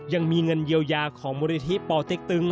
ยังมีเงินเยียวยาของมูลนิธิป่อเต็กตึง